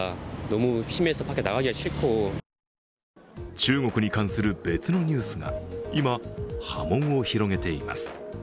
中国に関する別のニュースが今、波紋を広げています。